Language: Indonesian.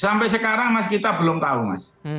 sampai sekarang mas kita belum tahu mas